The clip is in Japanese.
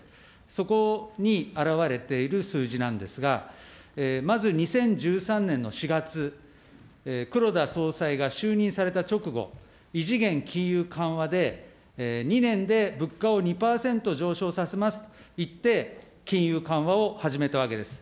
そこに表れている数字なんですが、まず２０１３年の４月、黒田総裁が就任された直後、異次元金融緩和で、２年で物価を２％上昇させますと言って、金融緩和を始めたわけです。